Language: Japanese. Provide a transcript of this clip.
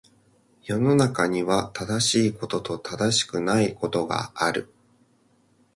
世の中には、正しいことと正しくないことがある。